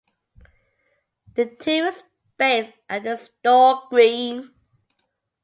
The team is based at The Storr Green.